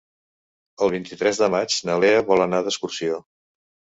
El vint-i-tres de maig na Lea vol anar d'excursió.